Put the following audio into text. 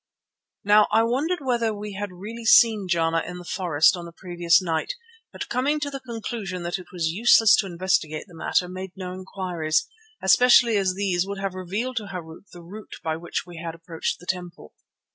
Now I wondered whether we had really seen Jana in the forest on the previous night, but coming to the conclusion that it was useless to investigate the matter, made no inquiries, especially as these would have revealed to Harût the route by which we approached the temple.